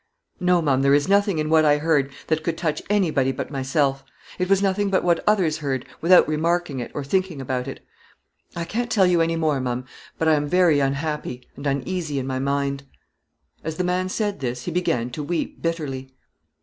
"No, ma'am, there is nothing in what I heard that could touch anybody but myself. It was nothing but what others heard, without remarking it, or thinking about it. I can't tell you anymore, ma'am; but I am very unhappy, and uneasy in my mind." As the man said this, he began to weep bitterly.